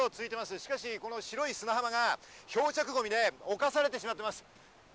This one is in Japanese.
しかし白い砂浜が漂着ゴミで侵されてしまっています。